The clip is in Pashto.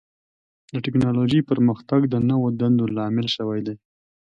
د ټکنالوجۍ پرمختګ د نوو دندو لامل شوی دی.